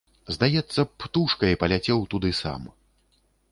Здаецца б, птушкай паляцеў туды сам.